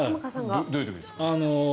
どういう時ですか？